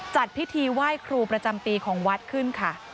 จัดพิธีไหว้ครูประจำปีของวัดขึ้นค่ะ